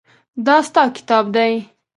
دا ستا کتاب دی.